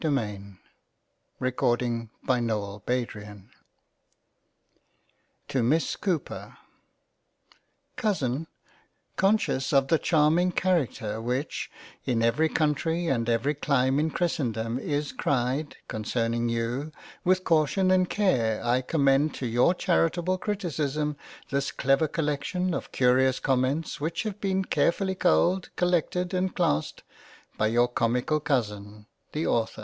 97 A COLLECTION OF LETTERS To Miss COOPER Cousin CONSCIOUS of the Charming Character which in every Country, and every Clime in Christendom is Cried, Concerning you, with Caution and Care I Commend to your Charitable Criticism this Clever Collection of Curious Comments, which have been Carefully Culled, Collected and Classed by your Comical Cousin The Author.